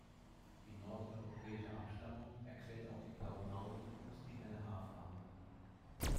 Die nordeuropäische Abstammung erklärt auch die blauen Augen und die helle Haarfarbe.